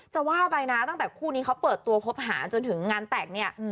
จะว่าไปนะตั้งแต่คู่นี้เขาเปิดตัวคบหาจนถึงงานแต่งเนี่ย